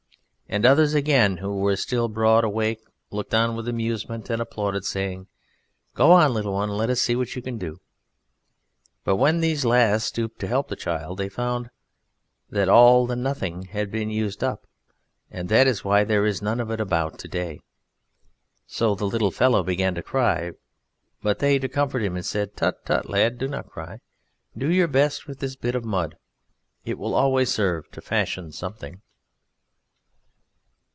And others again, who were still broad awake, looked on with amusement and applauded, saying: "Go on, little one! Let us see what you can do." But when these last stooped to help the child, they found that all the Nothing had been used up (and that is why there is none of it about to day). So the little fellow began to cry, but they, to comfort him, said: "Tut, lad! tut! do not cry; do your best with this bit of mud. It will always serve to fashion something."